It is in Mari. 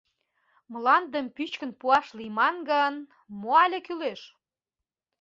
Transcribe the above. Мландым пӱчкын пуаш лийман гын, мо але кӱлеш?